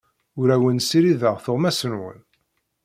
Ur awen-ssirideɣ tuɣmas-nwen.